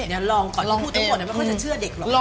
พูดทั้งหมดไม่ค่อยจะเชื่อเด็กหรอก